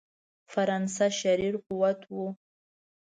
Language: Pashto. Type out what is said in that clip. فرانسه شریر قوت وو.